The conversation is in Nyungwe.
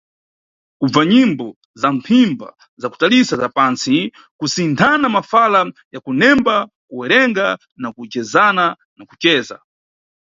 Kubva nyimbo za mphimpha za kutalitsa za pansti, kusinthana mafala ya kunemba kuwerenga na kujedzana na kuceza.